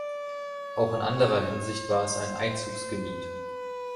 Auch in anderer Hinsicht war es ein „Einzugsgebiet“.